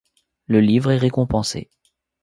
Le livre est récompensé.